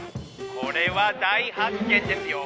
「これは大発見ですよ。